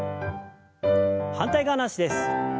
反対側の脚です。